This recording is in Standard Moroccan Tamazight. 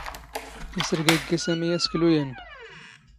ⵉⵙⵔⴳⴰⴳⴳⵉ ⵙⴰⵎⵉ ⴰⵙⴽⵍⵓ ⴰⵏⵏ.